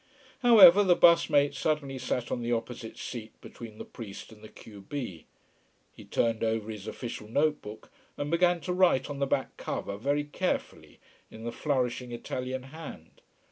However, the bus mate suddenly sat on the opposite seat between the priest and the q b. He turned over his official note book, and began to write on the back cover very carefully, in the flourishing Italian hand.